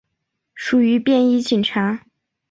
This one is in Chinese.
属于便衣警察。